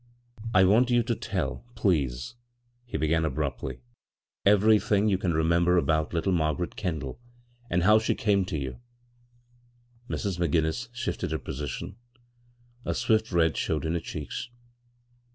" I want you to tell, please," he began ab ruptly, " everything you can remember about b, Google CROSS CURRENTS little Margaret Kendall, and hovshe cane to you." Mis. McGinnis shifted her poadon. A swift red showed in her cheeks.